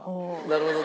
なるほど。